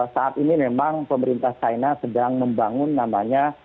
saat ini memang pemerintah china sedang membangun namanya